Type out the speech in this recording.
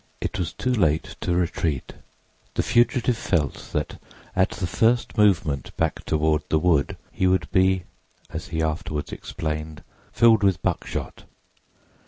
It was too late to retreat: the fugitive felt that at the first movement back toward the wood he would be, as he afterward explained, "filled with buckshot."